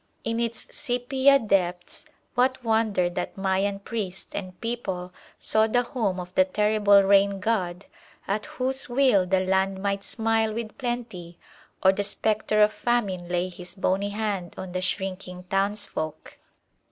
In its sepia depths what wonder that Mayan priest and people saw the home of the terrible Rain God, at whose will the land might smile with plenty or the spectre of famine lay his bony hand on the shrinking townsfolk?